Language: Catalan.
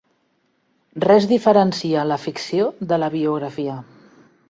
Res diferencia la ficció de la biografia.